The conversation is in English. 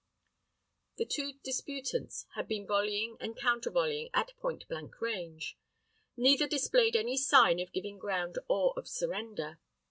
The two disputants had been volleying and counter volleying at point blank range. Neither displayed any sign of giving ground or of surrender.